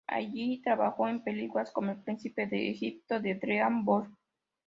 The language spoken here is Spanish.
Allí trabajó en películas como El príncipe de Egipto, de DreamWorks.